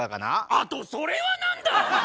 あとそれは何だ！